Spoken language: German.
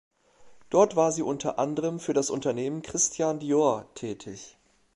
Dort war sie unter anderen für das Unternehmen Christian Dior tätig.